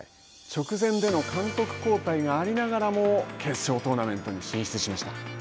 直前での監督交代がありながらも、決勝トーナメントに進出しました。